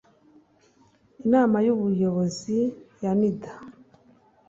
inama y’ubuyobozi ya nida